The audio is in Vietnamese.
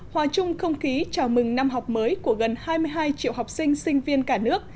hòa chung không khí chào mừng năm học mới của gần hai mươi hai triệu học sinh sinh viên cả nước